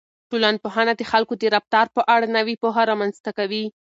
ټولنپوهنه د خلکو د رفتار په اړه نوې پوهه رامنځته کوي.